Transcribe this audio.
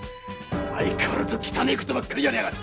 相変わらず汚ねえことばかりやりやがって。